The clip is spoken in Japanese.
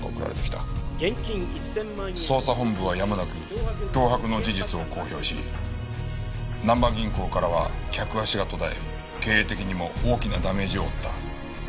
捜査本部はやむなく脅迫の事実を公表しなんば銀行からは客足が途絶え経営的にも大きなダメージを負った。